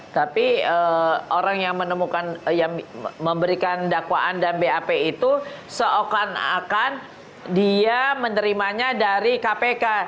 tapi orang yang menemukan memberikan dakwaan dan bap itu seakan akan dia menerimanya dari kpk